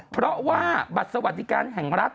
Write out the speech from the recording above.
เพราะว่าบัตรสวัสดิการแห่งรัฐ